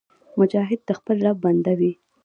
مجاهد د خپل رب بنده وي.